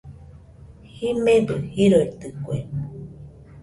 Jimebɨ jiroitɨkue